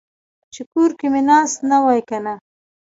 چې کور کې مې ناست نه وای کنه.